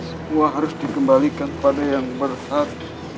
semua harus dikembalikan pada yang berhak